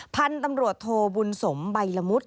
พันธุ์ตำรวจโทบุญสมใบละมุด